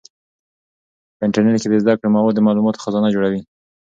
په انټرنیټ کې د زده کړې مواد د معلوماتو خزانه جوړوي.